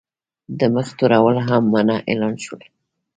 د مخ تورول هم منع اعلان شول.